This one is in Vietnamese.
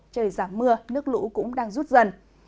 trời giảm mưa nước lũ cũng đang rút dần